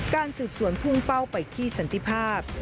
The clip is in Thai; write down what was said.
การสืบสวนพุ่งเป้าไปที่สันติภาพ